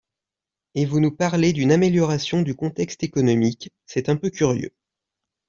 Et vous nous parlez d’une amélioration du contexte économique, c’est un peu curieux